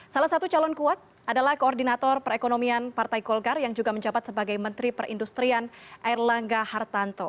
salah satu calon kuat adalah koordinator perekonomian partai golkar yang juga menjabat sebagai menteri perindustrian erlangga hartanto